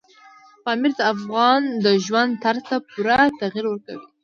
پامیر د افغانانو د ژوند طرز ته پوره تغیر ورکوي.